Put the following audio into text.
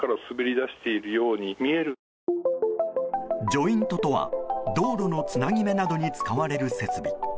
ジョイントとは、道路のつなぎ目などに使われる設備。